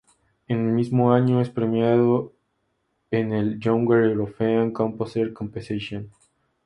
El mismo año es premiado en el "Younger European Composer Competition".